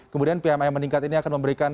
kemudian pmi meningkat ini akan memberikan